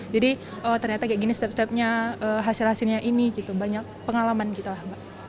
jadi ternyata kayak gini setiap setiapnya hasil hasilnya ini gitu banyak pengalaman gitu lah